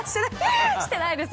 してないです。